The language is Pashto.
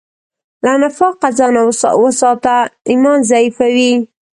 له نفاقه ځان وساته، ایمان ضعیفوي.